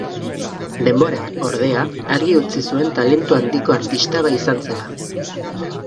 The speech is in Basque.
Denborak, ordea, argi utzi zuen talentu handiko artista izan zela.